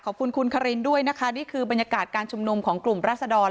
ขอบคุณคุณคารินด้วยนะคะนี่คือบรรยากาศการชุมนุมของกลุ่มราศดร